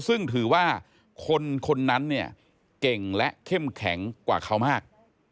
ซึ่งถือว่าคนนั้นเนี่ยเก่งและเข้มแข็งกว่าเขามาก